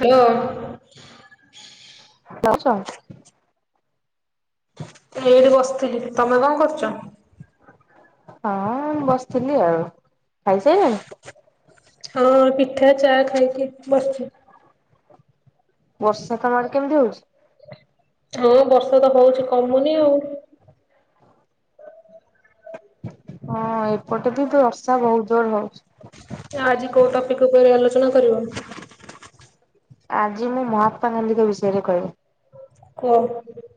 Hello ଦସ ଏଇଠି ବସିଥିଲି ତମେ କଣ କରୁଛ? ହଁ ମୁଁ ବସିଥିଲି ଆଉ ଖାଇସାରିଲାଣି? ହଁ ପିଠା ଚା ଖାଇକି ବସିଛି। ବର୍ଷା ତମ ଆଡ଼େ କେମିତି ହଉଛି? ହଁ ବର୍ଷା ତ ହଉଛି କମୁନି ଆଉ। ହଁ ଏପଟେ ବି ବର୍ଷା ବହୁତ ଜୋର ହଉଛି। ଆଜି କୋଉ ଟପିକ ଉପରେ ଆଲୋଚନା କରିବ। ଆଜି ମୁଁ ମହାତ୍ମା ଗାନ୍ଧୀଙ୍କ ବିଷୟରେ କହିବି। ହୁ।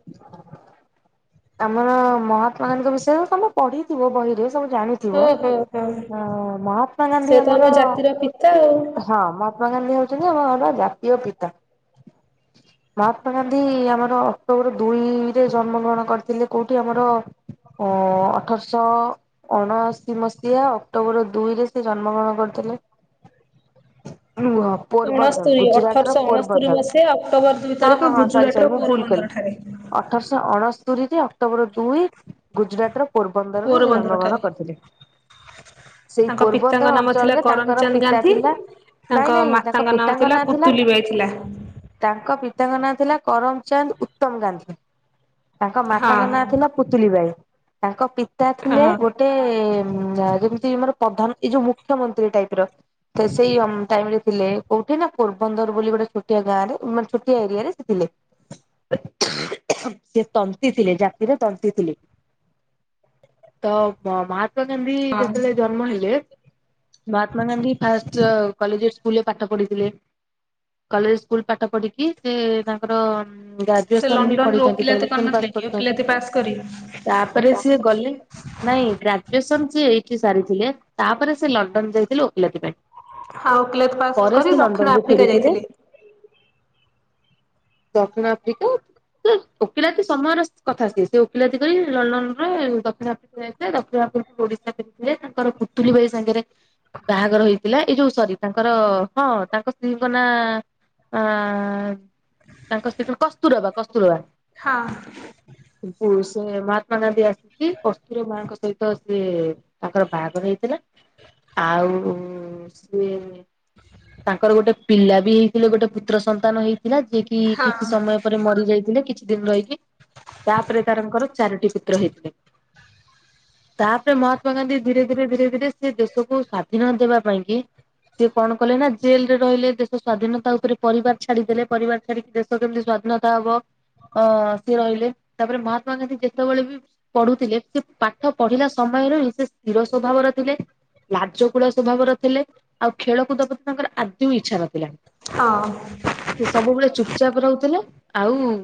ହ ଆମର ମହାତ୍ମା ଗାନ୍ଧୀଙ୍କ ବିଷୟରେ ତମେ ପଢିଥିବ ବହିରେ ସବୁ ଜାଣିଥ ହଁ ହଁ ହଁ ମହାତ୍ମା ସେ ଗାନ୍ଧି ତ ଆମ ଆମର ଜାତିର ପିତା ଆଉ। ହ ମ ମହାତ୍ମା ଗାନ୍ଧୀ ହଉଛନ୍ତି ଆମର ଜାତୀୟ ପିତା। ମହାତ୍ମା ଗାନ୍ଧୀ ଆମର ଅକ୍ଟୋବର ଦୁଇରେ ଜନ୍ମ ଗ୍ରହଣ କରି। ଥିଲେ କୋଉଠି ଆମର ଅ ଅଠରଶହ। ଅଣଅଶୀ ମସିହା ଅକ୍ଟୋବର ଦୁଇରେ ସେ ଜନ୍ମ ଗ୍ରହଣ କରିଥିଲେ। ରୁହ ପୋରବନ୍ଦର ଅଣସ୍ତୋରିୀ ଗୁଜୁରାଟର ଅଠରଶହ ଅଣସ୍ତରିୀ ପୋରବନ୍ଦର ମସିହା ଅକ୍ଟୋବର ଦୁଇ ହଁ ହଁ ତାରିଖ ହଁ ସରି ଗୁଜୁରାଟ ସରି ର ମୁଁ ଭୁଲ କଲି। ପୋରବନ୍ଦର। [unintelligible] ଅଠରଶହ ଅଣସ୍ତରି ଅକ୍ଟୋବର ଦୁଇ ଗୁଜୁରାଟ ର ପୋରବନ୍ଦରରେ ପୋରବନ୍ଦର ଠାରେ ଜନ୍ମଗ୍ରହଣ କରିଥିଲେ। ସେଇ ତାଙ୍କ ପିତାଙ୍କ ପୋରବନ୍ଦର ନାମ ଥିଲା ଅଞ୍ଚଳରେ ତାଙ୍କର କରମଚାନ୍ଦ ପିତା ଗାନ୍ଧୀ। ଥିଲା। ତାଙ୍କ ନାଇଁ ନାଇଁ ତାଙ୍କ ମାତାଙ୍କ ନାମ ପିତାଙ୍କ ନାଁ ଥିଲା। ପୁତୁଲି ବାଇ ଥିଲା ତାଙ୍କ ପିତାଙ୍କ ନାଁ ଥିଲା କରମ ଚାନ୍ଦ ଉତ୍ତମ ଗାନ୍ଧୀ। ତାଙ୍କ ହଁ। ମାତାଙ୍କ ନାଁ ଥିଲା ପୁତଲି ବାଇ। ତାଙ୍କ ପିତା ଥିଲେ ହଁ ଗୋଟେ। ଯେମିତି ଆମର ପ୍ରଧାନ ଏଇ ଯୋଉ ମୁଖ୍ୟମନ୍ତ୍ରୀ ଟାଇପ ର ସେଇ ଟାଇମରେ। ଥିଲେ କୋଉଠି ନା ପୋରବନ୍ଦର ବୋଲି ଗୋଟେ ଛୋଟିଆ ଗାଁରେ ମାନେ ଛୋଟିଆ ଏରିଆରେ ସେ ଥିଲେ। [unintelligible] ସେ ତନ୍ତୀ ଥିଲେ ଜାତିରେ ତନ୍ତୀ ଥିଲେ। ତ ମହାତ୍ମା। ଗାନ୍ଧୀ ହଁ। ଯେତେବେଳେ ଜନ୍ମ ହେଲେ। ମହାତ୍ମା ଗାନ୍ଧୀ ଫାଷ୍ଟ କଲେଜ ସ୍କୁରେ ପାଠ ପଢିଥିଲେ। କଲେଜ ସ୍କୁଲ ପାଠ ପଢିକି ସେ ତାଙ୍କର। ସେ ଗ୍ରାଜୁଏସନ ବି ଲଣ୍ଡନରୁୁ ପଢିଛନ୍ତି ଓକିଲାତି ଗ୍ରାଜୁଏସନ ପାସ୍ କରିନଥିଲେ କି କରିଛନ୍ତି। ଓକିଲତି ପାସ୍ କରି। ତାପରେ ସିଏ ଗଲେ। ନାଇଁ। ଗ୍ରାଜୁଏସନ ସିଏ ଏଇଠି ସାରିଥିଲେ ତାପରେ ସେ ଲଣ୍ଡନ ଯାଇଥିଲେ ଓକିଲତି ପାଇଁ। ହଁ ଓକିଲାତି ପାସ୍ ପରେ ସେ କରି ଦକ୍ଷିଣ ଲଣ୍ଡନରୁୁ ଆଫ୍ରିକା ଫେରିଥିଲେ ଯାଇଥିଲେ। ଦକ୍ଷିଣ ଆଫ୍ରିକା। ଓକିଲାତି ସମୟର କଥା ସିଏ। ସେ ଓକିଲାତି କରି ଲଣ୍ଡନ ର ଦକ୍ଷିଣ ଆଫ୍ରିକା ଯାଇଥିଲେ। ଦକ୍ଷିଣ ଆଫ୍ରିକା ଯାଇ ଓଡିଶା ଫେରି ଥିଲେ ତାଙ୍କର ପୁତୁଲି ବାଇ ସାଙ୍ଗରେ। ବାହାଘର ହେଇଥିଲା। ଏଇ ଯୋଉ ସରି ତାଙ୍କର ହଁ ତାଙ୍କ ସ୍ତ୍ରୀଙ୍କ ନା। ହଁ। ହଁ ତାଙ୍କ ସ୍ତ୍ରୀଙ୍କ ନାଁ କସ୍ତୁରବା। କସ୍ତୁରବା। ହଁ। କୁ ସେ ମହାତ୍ମା ଗାନ୍ଧୀ ଆସିକି କସ୍ତୁରବା ମାଙ୍କ ସହିତ ସେ। ତାଙ୍କର ବାହାଘର ହେଇଥିଲା ଆଉ ସିଏ। ତାଙ୍କର ଗୋଟେ ପିଲା ବି ହେଇଥିଲେ ଗୋଟେ ପୁତ୍ର ସନ୍ତାନ ହେଇଥିଲା ଯେକି। କି ହଁ କିଛି ହଁ ସମୟ ପରେ ମରି ଯାଇଥିଲେ କି। କିଛି ଦିନ ରହିକି। ତାପରେ ତାରଙ୍କର ଚାରୋଟି ପୁତ୍ର ହେଇଥିଲେ। ତାପରେ ମହାତ୍ମା ଗାନ୍ଧୀ ଧୀରେ ଧୀରେ ଧୀରେ ଧୀରେ ସେ ଦେଶକୁ ସ୍ଵାଧୀନ ଦେବା ପାଇଁ କିି। ସେ କଣ କଲେ ନା ଜେଲ ରେ ରହିଲେ ଦେଶ ସ୍ଵାଧୀନତା ଉପରେ ପରିବାର ଛାଡିଦେଲେ ପରିବାର। ସେକି ଦେଶ କେମିତି ସ୍ୱାଧୀନତା ହବ। ଓ ସିଏ ରହିଲେ ତାପରେ ମହାତ୍ମା ଗାନ୍ଧୀ କେତେବେଳେବି। ପଢୁଥିଲେ ସେ ପାଠ ପଢିଲା ସମୟରୁ ହିଁ ସେ ସ୍ଥିର ସ୍ଵଭାଵର ଥିଲେ। ଲାଜ କୂଳ ସ୍ୱଭାବର ଥିଲେ ଆଉ ଖେଳକୁଦ ପ୍ରତି ତାଙ୍କର ଆଦୌ ଇଚ୍ଛା ନଥିଲା। ହଁ। ସେ ସବୁବେଳେ ଚୁପଚାପ ରହୁଥିଲେ ଆଉ।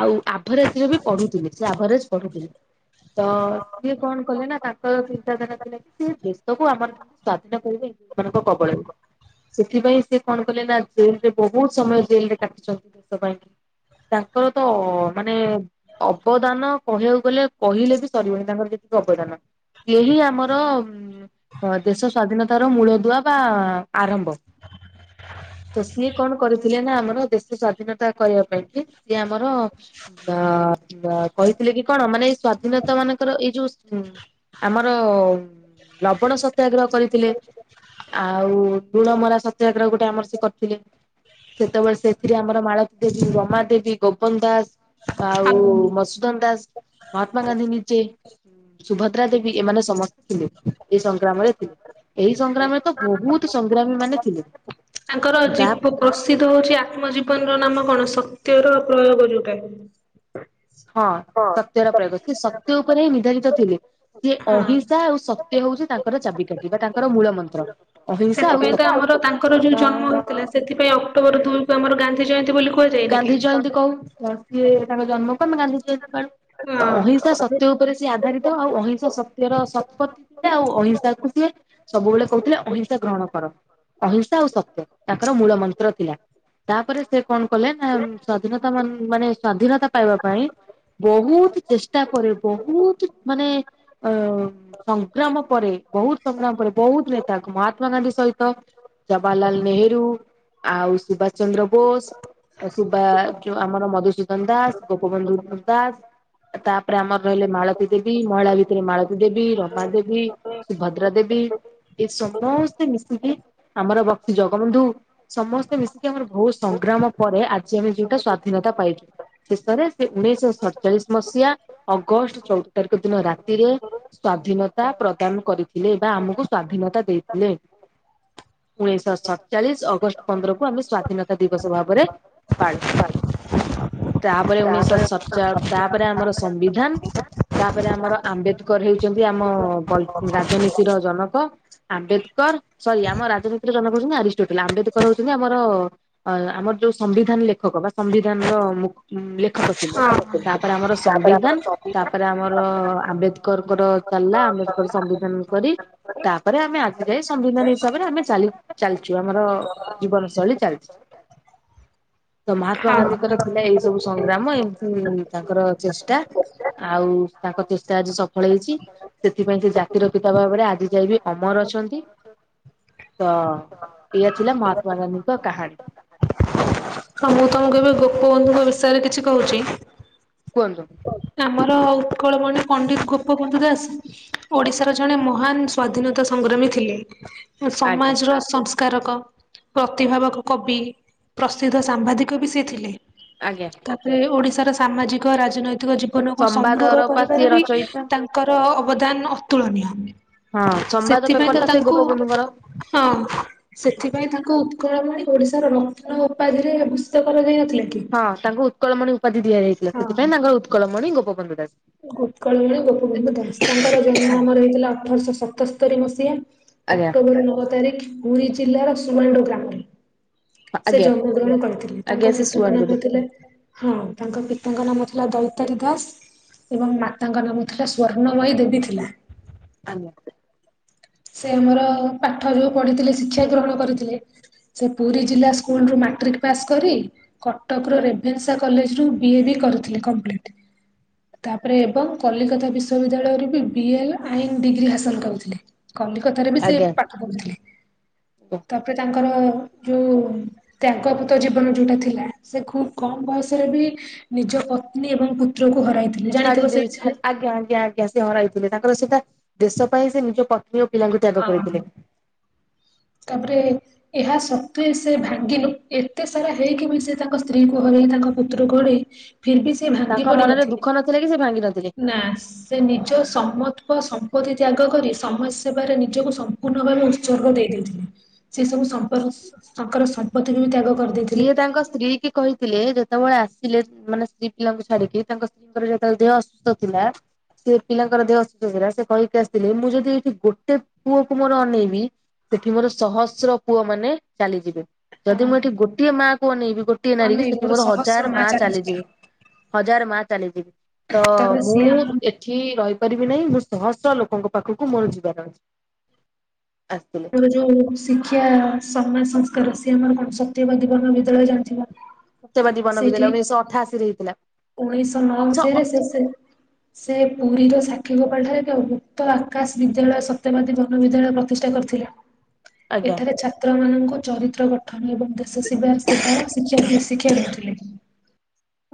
ଆଉ ଆଭରେଜ ରେ ବି ପଢୁଥିଲି ସେ ଆଭରେଜ ପଢୁଥିଲେ। ତ ସିଏ କଣ କଲେ ନା ତାଙ୍କର ଚିନ୍ତାଧାରା ଥିଲା କି ସେ ଦେଶକୁ ଆମର। ସ୍ଵାଧୀନ କରିବେ ଇଙ୍ଗ୍ରଜ ମାନଙ୍କ କବଳରେ। ସେଥିପାଇଁ ସେ କଣ କଲେ ନା ଜେଲରେ ବହୁତ ସମୟ ଜେଲରେ କାଟିଛନ୍ତି ଦେଶ ପାଇଁକି। ତାଙ୍କର ତ ମାନେ। ଅବଦାନ କହିବାକୁ ଗଲେ କହିଲେ ବି ସରିବନି ତାଙ୍କର ଯେତିକି ଅବଦାନ। ସେହି ଆମର। ଦେଶ ସ୍ଵାଧୀନତାର ମୂଳ ଦୁଆ ବା ଆରମ୍ଭ। ତ ସିଏ କଣ କରିଥିଲେ ନା ଆମର ଦେଶ ସ୍ଵାଧୀନତା କରିବା ପାଇଁ କି ସିଏ ଆମର। ବା କହିଥିଲେ କି କଣ ମାନେଇ ସ୍ଵାଧୀନତା ମାନଙ୍କର ଏଇ ଯୋଉ। ଆମର ଲବଣ ସତ୍ୟାଗ୍ରହ କରିଥିଲେ। ଆଉ ଲୁଣମରା ସତ୍ୟଗ୍ରହ ଗୋଟେ ଆମର ସେ କରିଥିଲେ। ସେତେବେଳେ ସେଥିରେ ଆମର ମାଳତୀ ଦେବୀ ରମାଦେବୀ। ଗୋପନ ଦାସ ଆଉ ତାଙ୍କର ମସୁଦନ ଦାସ ମହାତ୍ମାଗାନ୍ଧୀ ନିଜେ। ସୁଭଦ୍ରା ଦେବୀ ଏମାନେ ସମସ୍ତେ ଥିଲେ ଇଜ ସଂଗ୍ରାମରେ ଥିଲେ। ଏଇ ସଂଗ୍ରାମରେ ତ ବହୁତ ସଂଗ୍ରାମୀ ମାନେ ଥିଲେ। ତାଙ୍କର ତା ଯିପ୍ ପ୍ରସିଦ୍ଧ ହଉଚି ଆତ୍ମଜୀବନର ନାମ କଣ ସତ୍ୟର ପ୍ରୟୋଗ ଯୋଉଟା। ହଁ। ହ। ସତ୍ୟର ପ୍ରୟୋଗ ସେ ସତ୍ୟ ଉପରେ ହିଁ ନିର୍ଧାରିତ ଥିଲେ। ସେ ହଁ ଅହିଂସା ଆଉ ସତ୍ୟ ହଉଚି ତାଙ୍କର ଚାବିକାଠି ବା ତାଙ୍କର ମୂଳମନ୍ତ୍ର। ସେଥିପାଇଁ ତ ଆମର ତାଙ୍କର ଯୋଉ ଜନ୍ମ ହେଇଥିଲା ସେଥିପାଇଁ ଅକ୍ଟୋବର ଦୁଇକୁ ଆମର ଗାନ୍ଧି ଜୟନ୍ତୀ ବୋଲି କୁହା ଗାନ୍ଧୀ ଜୟନ୍ତୀ କହୁ ତ ସିଏ ତାଙ୍କ ଜନ୍ମକୁ ଆମେ ଗାନ୍ଧୀ ଜୟନ୍ତୀ ପାଳୁ। ତ ହଁ ଅହିଂସା ସତ୍ୟ ଉପରେ ସେ ଆଧାରିତ ଆଉ ଅହିଂସା ସତ୍ୟର ସତପତ୍ ସେ ଆଉ ଅହିଂସା କୁ ସିଏ ସବୁବେଳେ କହୁଥିଲେ ଅହିଂସା ଗ୍ରହଣ କର। ଅହିଂସା ଆଉ ସତ୍ୟ ତାଙ୍କର ମୂଳମନ୍ତ୍ର ଥିଲା ତାପରେ ସେ କଣ କଲେ ନା ସ୍ଵାଧୀନତା ମାନ ମାନେ ସ୍ଵାଧୀନତା ପାଇବା ପାଇଁ ବହୁତ୍ ଚେଷ୍ଟା ପରେ ବହୁତ୍ ମାନେ ଅଁ ସଂଗ୍ରାମ ପରେ ବହୁତ୍ ସଂଗ୍ରାମ ପରେ ବହୁତ୍ ନେତାଙ୍କ ମହାତ୍ମାଗାନ୍ଧୀ ସହିତ ଜବାହହାରଲାଲ ନେହେରୁ ଆଉ ସୁଭାଷଚନ୍ଦ୍ର ବୋଷ୍ ସୁବା ଯୋଉ ଆମର ମଧୁସୂଦନ୍ ଦାସ୍ ଗୋପବନ୍ଧୁ ଦାସ୍ ତାପରେ ଆମର ରହିଲେ ମାଳତୀ ଦେବୀ ମହିଳା ଭିତରେ ମାଳତୀ ଦେବୀ ରମା ଦେବୀ ସୁଭଦ୍ରା ଦେବୀ ଏ ସମସ୍ତେ ମିଶିକି ଆମର ବକ୍ସି ଜଗବନ୍ଧୁ ସମସ୍ତେ ମିଶିକି ଆମର ବହୁତ୍ ସଂଗ୍ରାମ ପରେ ଆଜି ଆମେ ଯୋଉଟା ସ୍ଵାଧୀନତା ପାଇଚୁ। ଶେଷରେ ସେ ଉଣେଇଶ ସଡଚାଳିଶ ମସିହା ଅଗଷ୍ଟ୍ ଚଉଦ ତାରିଖ ଦିନ ରାତିରେ ସ୍ଵାଧୀନତା ପ୍ରଦାନ କରିଥିଲେ ବା ଆମକୁ ସ୍ଵାଧୀନତା ଦେଇଥିଲେ। ଉଣେଇଶହ ସତଚାଳିଶ ଅଗଷ୍ଟ ପନ୍ଦରକୁ ଆମେ ସ୍ଵାଧୀନତା ଦିବସ ଭାବରେ ପାଳୁ ତାପରେ ଉଣେଇଶଶହ ସତଚା ତାପରେ ଆମର ସମ୍ବିଧାନ୍ ତାପରେ ଆମର ଆମ୍ବେଦକର ହେଉଚନ୍ତି ଆମ ପଲ୍ ରାଜନୀତିର ଜନକ। ଆମ୍ବେଦକର୍ ସରି ଆମ ରାଜନୀତିରେ ଜନକ ହଉଚନ୍ତି ଆରିଷ୍ଟୋଟଲ ଆମ୍ବେଦକର ହଉଚନ୍ତି ଆମର ଅ ଆମର ଯୋଉ ସମ୍ବିଧାନ ଲେଖକ ବା ସମ୍ବିଧାନର ମୁ ଲେ ଖକ ଥିଲେ। ତାପରେ ଆମର ସମ୍ବିଧାନ୍ ତାପରେ ଆମର ଆମ୍ବେଦକରଙ୍କର ଚାଲିଲା ଆମ୍ବେଦକର ସମ୍ବିଧାନ କରି ତାପରେ ଆମେ ଆଜିଯାଏ ସମ୍ବିଧାନ ହିସାବରେ ଆମେ ଚାଲି-ଚାଲିଚୁ, ଆମର ଜୀବନ ଶୈଳୀ ଚାଲିଚି। ତ ହଁ। ମହାତ୍ମାଗାନ୍ଧୀଙ୍କର ଥିଲା ଏଇସବୁ ସଂଗ୍ରାମ ଏମିତି ତାଙ୍କର ଚେଷ୍ଟା। ଆଉ ତାଙ୍କ ଚେଷ୍ଟା ଆଜି ସଫଳ ହେଇଚି। ସେଥିପାଇଁ ସେ ଜାତିରପିତା ଭାବରେ ଆଜି ଯାଏ ବିି ଅମର ଅଛନ୍ତି। ତ ଏଇଆଥିଲା ମହାତ୍ମାଗାନ୍ଧୀଙ୍କ କାହାଣୀ। ହଁ ମୁଁ କେବେ ଗୋପବନ୍ଧୁଙ୍କ ବିଷୟରେ କିଛି କହୁଚି। କୁହନ୍ତୁ? ଆମର ଉତ୍କଳମଣି ପଣ୍ଡିତ୍ ଗୋପବନ୍ଧୁ ଦାସ୍ ଓଡିଶାର ଜଣେ ମହାନ ସ୍ଵାଧୀନତା ସଂଗ୍ରାମୀ ଥିଲେ। ଆଜ୍ଞା ସମାଜର ସଂସ୍କାରକ ପ୍ରତିଭାବକ କବି ପ୍ରସିଦ୍ଧ ସାମ୍ବାଦିକ ବି ସେ ଥିଲେ। ଆଜ୍ଞା। ତାପରେ ଓଡିଶାର ସାମାଜିକ ରାଜନୈତିକ ଜୀବ୍ ଜୀବନକୁ ସମୃଦ୍ଧ ସମ୍ବାଦର ପା ସିଏ କରିବାରେବି ରଚୟିତା ତାଙ୍କର ଅବଦାନ ଅତୁଳନୀୟ। ହଁ ସମ୍ବାଦ ସେଥିପାଇଁ ପେପର ତ ଟା ସେ ତାଙ୍କୁ ଗୋପବନ୍ଧୁଙ୍କର। ହଁ ସେଥିପାଇଁ ତାଙ୍କ ଙ୍କୁ ଉତ୍କଳ ମଣି ଓଡିଶାର ରତ୍ନ ଉପାଧିରେ ଭୁସ୍ୟ କରଯାଇ ନଥିଲା କି? ହଁ ତାଙ୍କୁ ଉତ୍କଳମଣି ଉପାଧି ଦିଆଯାଇଥିଲା। ହଁ। ସେଥିପାଇଁ ତାଙ୍କର ଉତ୍କଳମଣି ଗୋପବନ୍ଧ ଦାସ। ଉତ୍କଳମଣି ଗୋପବନ୍ଧୁ ଦାସ ତାଙ୍କର ଜନ୍ମ ଆମର ହେଇଥିଲା ଅଠରଶହ ସତସ୍ତରୀ ମସିହା। ଆଜ୍ଞା ଅକ୍ଟୋବର ନଅ ତାରିଖ ପୁରୀ ଜିଲ୍ଲାର ସୁଆଣ୍ଡୁ ଗ୍ରାମରେ। ସେ ଆଜ୍ଞା ଜନ୍ମଗ୍ରହଣ କରିଥିଲେ, ଆଜ୍ଞା ତାଙ୍କ ସେ ପିତାଙ୍କ ଶୁଅନ୍ତିନି ନାମ ଥିଲା ହଁ ତାଙ୍କ ପିତାଙ୍କ ନାମ ଥିଲା ଦୈତାରୀ ଦାସ। ଏବଂ ମାତାଙ୍କନାମ ଥିଲା ସ୍ଵର୍ଣ୍ଣମୟୀ ଦେବୀ ଥିଲା। ଆଜ୍ଞା। ସେ ଆମର ପାଠ ଯୋଉ ପଢିଥିଲେ ଶିକ୍ଷା ଗ୍ରହଣ କରିଥିଲେ। ସେ ପୁରୀ ଜିଲ୍ଲା ସ୍କୁଲ୍ ରୁ ମାଟ୍ରିକ୍ ପାସ୍ କରି କଟକର ରେଭେନ୍ସା କଲେଜ୍ ରୁ ବିଇଡି କରିଥିଲେ କମ୍ପ୍ଲିଟ୍। ତାପରେ ଏବଂ କଲିକତା ବିଶ୍ୱବିଦ୍ୟାଳୟରେ ବିଏଲ୍ ଆଇନ ଡିଗ୍ରୀ ହାସଲ କରିଥିଲେ। କଲିକତାରେ ବି ସେ ଆଜ୍ଞା। ପାଠ ପଢୁଥିଲେ। ତାପରେ ତାଙ୍କର ଯୋଉ ତ୍ୟାଗପତୂ ଜୀବନ ଯୋଉଟା ଥିଲା ସେ ଖୁବ୍ କମ ବୟସରେ ବି ନିଜ ପତ୍ନୀ ଏବଂ ପୁତ୍ରକୁ ହରାଇ ଛାଡ଼ି ଦେଇଛି ହେ ଆଜ୍ଞା, ଆଜ୍ଞା, ଆଜ୍ଞ ଗ୍ୟା ସେ ହରାଇଥିଲେ ତାଙ୍କର ସେଟା ଦେଶ ପାଇଁ ସେ ନିଜ ପତ୍ନୀ ଓ ପିଲାଙ୍କୁ ତ୍ୟାଗ ହଁ କରିଥିଲେ। ତାପରେ ଏହା ସତ୍ୱେ ସେ ଭାଙ୍ଗି ନ ଏତେ ସାରା ହେଇକି ବି ସେ ତାଙ୍କ ସ୍ତ୍ରୀଙ୍କୁ ହରେଇ ତାଙ୍କ ପୁତ୍ରକୁ ହରେଇ। ଫେରବି ସେ ଭା ତାଙ୍କ ମନରେ ଦୁଃଖ ନଥିଲେ କି ସେ ଭାଙ୍ଗି ନଥିଲେ। ନା ସେ ନିଜ ସମତ୍ଵ ସମ୍ପତ୍ତି ତ୍ୟାଗ କରି ସମାଜ ସେବାରେ ନିଜକୁ ସମ୍ପୂର୍ଣ୍ଣ ଭାବେ ସର୍ଗ ଦେଇଦେଉଥିଲେ ସେ ସବୁ ସମ୍ପର ତାଙ୍କର ସମ୍ପତ୍ତିକୁ ବି ତ୍ୟାଗ କରି ସିଏ ତାଙ୍କ ସ୍ତ୍ରୀକି କହି ଥିଲେ ଯେତେବେଳେ ଆସିଲେ ମାନେ ସ୍ତ୍ରୀ ପିଲାଙ୍କୁ ଛାଡିକି ତାଙ୍କ ସ୍ତ୍ରୀଙ୍କର ଯେତେବେଳେ ଦେହ ଅସୁସ୍ଥ ଥିଲା। ସ୍ତ୍ରୀ ପିଲାଙ୍କର ଦେହ ଅସୁସ୍ଥ ଥିଲା, ସେ କହିକି ଆସିଥିଲେ ମୁଁ ଯଦି ଏଇଠି ଗୋଟେ ପୁଅକୁ ମୋର ଅନେଇବି ସେଠି ମୋର ସହସ୍ର ପୁଅ ମାନେ ଚାଲିଯିବେ ଆ, ଯଦି ମୁଁ ଏଠି ଗୋଟିଏ ମା କୁ ଅନେଇବି ଗୋ ଟିଏ ନାରିକି ଅନେକ ସେଠି ଗୁରୁ ମୋର ହଜାର ସହସ୍ର ମା ଚାଲିଛି ଚାଲିଯିବେ। ହଜାର ମା ଚାଲିଯିବେ ତ ତାପରେ ମୁଁ ସିଏ ଆମ ଏ ଠି ରହିପାରିବି ନାହିଁ, ମୁଁ ଶହ ଶହ ଲୋକଙ୍କ ପାଖକୁ ମୋର ଯିବାର ଅଛି ଆସିଥିଲେ। ଯୋଉ ଶିକ୍ଷା ସମାଜ ସଂସ୍କାର ସିଏ ଆମର କଣ ସତ୍ୟବାଦୀ ବନବିଦ୍ୟାଳୟ ଜାଣିଥିବ। ସତ୍ୟବାଦୀ ବନବିଦ୍ୟାଳୟ ଉଣେଇଶହ ଅଠାଅଶୀରେ ହେଇଥିଲା। ଉଣେଇଶ ନଅ ସ ମସିହାରେ ସେ ସେ ସେ ପୁରୀର ସାକ୍ଷୀଗୋପାଳ ଯାଇକି ଉକ୍ତ ଆକାଶ ବିଦ୍ୟାଳୟ ସତ୍ୟବାଦୀ ବନବିଦ୍ୟାଳୟ ପ୍ରତିଷ୍ଠା କରିଥିଲେ। ଆଜ୍ଞା ଏଠାରେ ଛା ତ୍ର ମାନଙ୍କ ଚରିତ୍ର ଗଠନ ଏବଂ ଦେଶ ସେବା ସେବାର ଶିକ୍ଷା ଦି ଶିକ୍ଷା ଦଉଥିଲେ।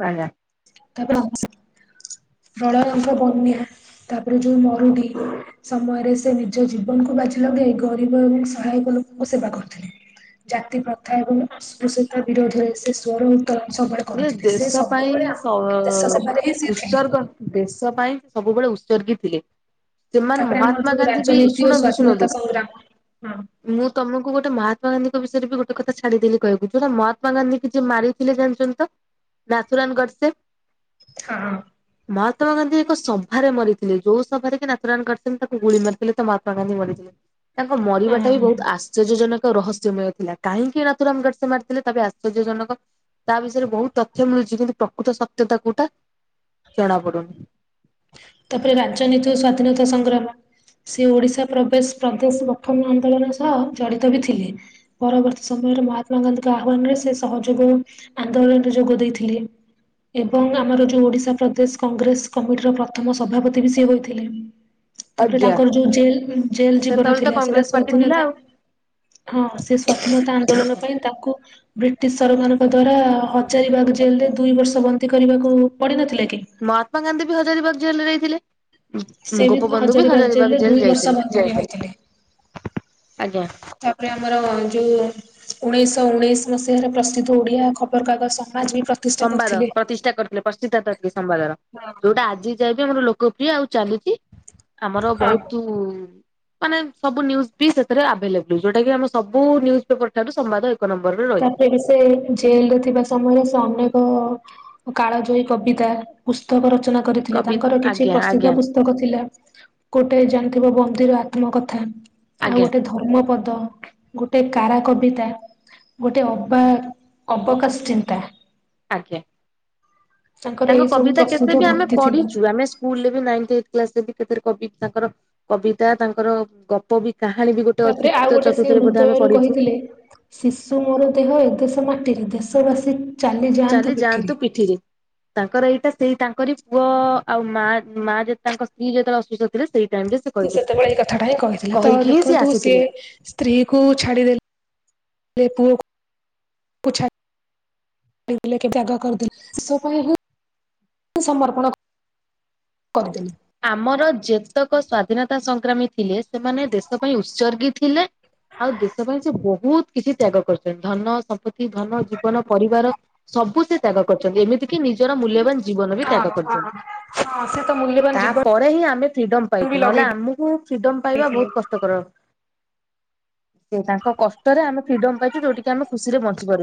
ଆଜ୍ଞା। ତାପରେ [unintelligible] ପ୍ରଳୟଙ୍କ ବନ୍ୟା ତାପରେ ଯୋଉ ମରୁଡ଼ି। ସମୟରେ ସେ ନିଜ ଜୀବନକୁ ବାଜି ଲଗେଇ ଗରିବ ଏବଂ ସହାୟକ ଲୋକଙ୍କ ସେବା କରୁଥିଲେ। ଜାତି ପ୍ରଥା ଏବଂ ଅଷ୍ପୁଶ୍ୟତା ବିରୋଧରେ ସେ ସ୍ଵର ସିଏ ଦେଶ ପାଇଁ ସ ଦେଶ ଅ ସେବାରେ ହିଁ ସିଏ ଥିଲେ। ଉତ୍ସର୍ଗ ଦେଶ ପାଇଁ ସବୁବେଳେ ଉତ୍ସର୍ଗୀ ଥିଲେ। ସେମାନେ ତାପରେ ଆମର ଯୋଉ ମହାତ୍ମାଗାନ୍ଧୀ ବି ରାଜନୀତି ଓ ଶୁଣନ୍ତୁ ସ୍ଵାଧୀନତା ଶୁଣନ୍ତୁ। ସଂଗ୍ରାମ ମୁଁ ତମକୁ ଗୋଟେ ମହାତ୍ମାଗାନ୍ଧୀଙ୍କ ବିଷୟରେ ବି ଗୋଟ କଥା ଛାଡିଦେଲି କହିବାକୁ ଯୋଉଟା ମହାତ୍ମାଗାନ୍ଧୀ କି ଯୋଉ ମାରିଥିଲେ ଜାଣିଛନ୍ତି। ନାଥୁରାଣ ଗଡ଼ ସେ। ହଁ ମହାତ୍ମା ଗାନ୍ଧୀ ଏକ ସଭାରେ ମରିଥିଲେ ଯୋଉ ସଭାରେ କି ନାଥୁରାମ ଗଡ଼ ସେ ତାଙ୍କୁ ଗୁଳି ମାରିଥିଲେ ତ ମହାତ୍ମା ଗାନ୍ଧୀ ମରିଥିଲେ। ତାଙ୍କ ହଁ ମରିବା ଟା ବି ହଁ। ବହୁତ ଆସ ଶ୍ଚର୍ଯ୍ୟ ଜନକ ରହସ୍ୟମୟ ଥିଲା କାହିଁକି ନାଥୁରାମ ଗଡ ସେ ମାରିଥିଲେ ତା ଆଶ୍ଚର୍ଯ୍ୟଜନକ ତା ବିଷ ବିଷୟରେ ବହୁତ ତଥ୍ୟ ମିଳୁଚି କିନ୍ତୁ ପ୍ରକୃତ ସତ୍ୟତା କୋଉଟା ଜଣା ପଡୁନି। ତାପରେ ରାଜନୀତି ଓ ସ୍ଵାଧୀନତା ସଂଗ୍ରାମ ସିଏ ଓଡିଶା ପ୍ରବେଶ ପ୍ରଦେଶ ଗଠନ ଆନ୍ଦୋଳନ ସହ ଜଡିତ ବି ଥିଲେ। ପରବର୍ତ୍ତୀ ସମୟରେ ମହାତ୍ମାଗାନ୍ଧୀଙ୍କ ଆହ୍ବାନରେ ସେ ସହଯୋଗ ଆନ୍ଦୋଳନରେ ଯୋଗ ଦେଇଥିଲେ ଏବଂ ଆମର ଯୋଉ ଓଡିଶା ପ୍ରଦେଶ କଂଗ୍ରେସ କମିଟି ର ପ୍ରଥମ ସଭାପତି ବି ସିଏ ହୋଇଥିଲେ। ତାପରେ ଆଜ୍ଞା। ତାଙ୍କର ଯୋଉ ଜେଲ୍ ଜେଲ୍ ଜୀବନ ସେତେବେଳେ ତ ଥିଲା କଂଗ୍ରେସ ସେଟା ପାର୍ଟି ଥିଲା ଆଉ ସ୍ଵାଧୀନତା ହଁ ସେ ସ୍ଵାଧୀନତା ଆନ୍ଦୋଳନ ପାଇଁ ତାକୁ ବ୍ରିଟିଶ୍ ସରକାରଙ୍କ ଦ୍ଵାରା ହଜାରିବାଗ ଜେଲ ରେ ଦୁଇ ବର୍ଷ ବନ୍ଦୀ କରିବାକୁ ଉ ପଡିନଥିଲା କି। ମହାତ୍ମାଗାନ୍ଧୀ ବି ହଜାରିବାଗ ଜେଲରେ ଯାଇଥିଲେ। ସେ ଗୋପବନ୍ଧୁ ବି ହଜାରୀବାଗ ଜେଲରେ ହଜାରିବାଗ ଦୁଇ ଜେଲ ବର୍ଷ ଯାଇଥିଲେ। ବନ୍ଦୀ ହୋଇଥିଲେ। ଆଜ୍ଞା ତାପରେ ଆମର ଯୋଉ ଉଣେଇଶହ ଉଣେଇଶ ମସିହାରେ ପ୍ରସିଦ୍ଧ ଓଡିଆ ଖବରକାଗଜ ସମାଜ ବି ପ୍ର ସମ୍ବାଦ ପ୍ରତିଷ୍ଠା କରିଥିଲେ ପ୍ରତିଷ୍ଠାତା ଥିଲେ ସମ୍ବାଦର ଯୋଉଟା ଆଜି ଯା ବି ଆମର ଲୋକପ୍ରିୟ ଆଉ ଚାଲୁଚି ଆମର ବହୁତ ମାନେ ସବୁ ନ୍ୟୁଜ୍ ବି ସେଥିରେ ଆଭେଲେବୁଲ୍ ଯୋଉଟା କି ଆମେ ସବୁ ନିୁଜ୍ ପେପର ଠାରୁ ସମ୍ବାଦ ଏକ ନମ୍ବର ରେ ତାପରେ ସେ ଜେଲ ରେ ଥିବା ସମୟରେ ସେ ଅନେକ କାଳଜୟୀ କବିତା ପୁସ୍ତକ ରଚନା କରିଥିଲେ କବି ତାଙ୍କର କିଛି ଆଜ୍ଞା ପ୍ରସିଦ୍ଧ ଆଜ୍ଞା ପୁସ ପୁସ୍ତକ ଥିଲା ଗୋଟେ ଜାଣିଥିବ ବନ୍ଦୀର ଆତ୍ମ କଥା। ଆଉ ଆଜ୍ଞା ଗୋଟେ ଧର୍ମ ପଦ ଗୋଟେ କାରା କବିତା। ଗୋଟେ ଅବାକ୍ ଅବକାଶ ଚିନ୍ତା। ଆଜ୍ଞା ତାଙ୍କର ତାଙ୍କ ଏଇ ସବୁ କବିତା ପ୍ରସିଦ୍ଧ କେତେ ବି ଆମେ ଭକ୍ତି ଥିଲା। ପଢିଚୁ ଆମେ ସ୍କୁଲରେ ବି ନାଇଁଥ୍ ଏଇଟ କ୍ଲାସରେ ବି କେ କବି ତାଙ୍କର କବିତା ତାଙ୍କର ଗପ ବି କାହାଣୀ ବି ଗୋ ତାପରେ ଆଉ ଗୋଟେ ସିଏ ହୃଦୟରୁ କହିଥିଲେ। ମିଶୁ ମୋର ଦେହ ଏ ଦେଶ ମାଟିରେ ଦେଶ ବାସୀ ଚାଲି ଯାଆନ୍ତୁ ପିଠିରେ। ତାଙ୍କର ଏଇଟା ସେଇ ତାଙ୍କରି ପୁଅ ଆଉ ମା ମା ତାଙ୍କ ସ୍ତ୍ରୀ ଯେତେବେଳେ ଅସୁସ୍ଥ ଥିଲେ ସେଇ ଟାଇମରେ ସେ ସେତେବେଳେ ଏଇ କଥାଟା ହିଁ କହିଥିଲେ ତ ଦେଖନ୍ତୁ ସିଏ। ସ୍ତ୍ରୀ କୁ ଛାଡିଦେଲେ ପୁଅକୁ ଛା [unintelligible] ପାଇଁ ହିଁ ସମର୍ପଣ। କରିଦେଲି। ଆମର ଯେତେକ ସ୍ଵାଧୀନତା ସଂଗ୍ରାମୀ ଥିଲେ ସେମାନେ ଦେଶ ପାଇଁ ଉତ୍ସର୍ଗୀ ଥିଲେ। ଆଉ ଦେଶ ପାଇଁ ସେ ବହୁତ କିଛି ତ୍ୟାଗ କରୁଛନ୍ତି ଧନ ସମ୍ପତ୍ତି ଧନ ଜୀବନ ପରିବାର। ସବୁ ସେ ତ୍ୟାଗ କରିଛନ୍ତି ଏମିତି କିି ନିଜର ମୂଲ୍ୟବାନ ଜୀବନ ବି ତ୍ୟାଗ ହଁ କରିଛନ୍ତି। ହଁ ସେ ତ ମୂଲ୍ୟ ତାପରେ ହିଁ ଆମେ ଫ୍ରିଡମ ପାଇଛୁ ନହେଲେ ଆମକୁ ଫ୍ରିଡମ ପାଇବା ବହୁତ୍ କଷ୍ଟକର। ସେ ତାଙ୍କ କଷ୍ଟରେ ଆମେ ଫ୍ରିଡମ ପାଇଛୁ ଯୋଉଠିକି ଆମେ ଖୁସି ରେ ବଞ୍ଚି ପାରୁଛୁ।